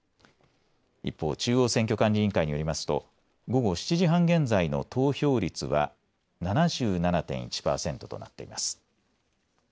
一方、中央選挙管理委員会によりますと、午後７時半現在の投票率は７７．１パーセントとなっています。